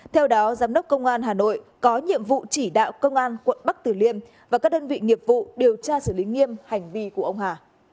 theo đó giám đốc công an hà nội có nhiệm vụ chỉ đạo công an quận bắc tử liêm và các đơn vị nghiệp vụ điều tra xử lý nghiêm hành vi của ông hà